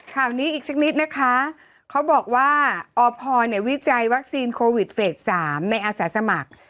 ข่าวนี้อีกสักนิดนะคะเขาบอกว่าอพวิจัยวัคซีนโควิดเฟส๓ในอาสาสมัคร